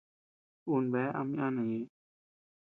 Un bea ama yana ñeʼë.